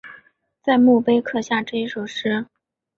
在墓碑刻下这一首诗